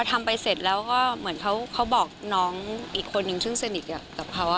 ทำไปเสร็จแล้วก็เหมือนเขาบอกน้องอีกคนนึงซึ่งสนิทกับเขา